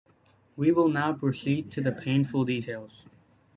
We will now proceed to the painful details.